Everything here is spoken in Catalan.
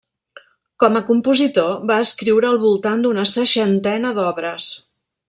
Com a compositor va escriure al voltant d’una seixantena d’obres.